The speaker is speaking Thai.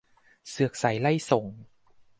เสือกไสไล่ส่ง